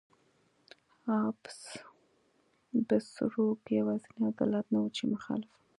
هابسبورګ یوازینی دولت نه و چې مخالف و.